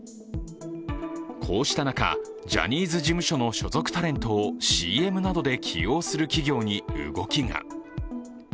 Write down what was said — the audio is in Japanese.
こうした中、ジャニーズ事務所の所属タレントをＣＭなどで起用する企業に動きが。